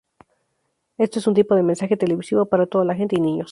Esto es un tipo de mensaje televisivo para toda la gente y niños